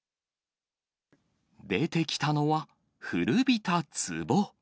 出てきたのは、古びたつぼ。